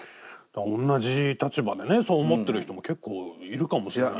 同じ立場でねそう思ってる人も結構いるかもしれないから。